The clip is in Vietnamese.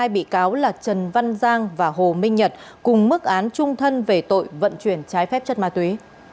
hai bị cáo là trần văn giang và hồ minh nhật cùng mức án trung thân về tội vận chuyển trái phép chất ma túy